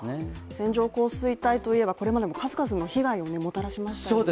線状降水帯といえばこれまでも数々の被害をもたらしましたよね。